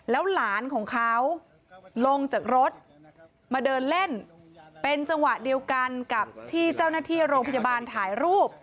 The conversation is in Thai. แล้วหลานของเขาลงจากรถมาเดินเล่นเป็นจังหวะเดียวกันกับที่เจ้าหน้าที่โรงพยาบาลถ่ายรูป